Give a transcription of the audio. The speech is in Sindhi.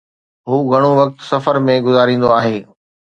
هو گهڻو وقت سفر ۾ گذاريندو آهي